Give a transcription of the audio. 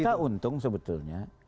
kita untung sebetulnya